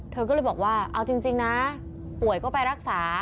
เธอก็เลยบอกว่าเอาจริงนะป่วยก็ไปรักษา